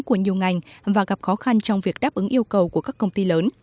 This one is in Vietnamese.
của nhiều ngành và gặp khó khăn trong việc đáp ứng yêu cầu của các công ty lớn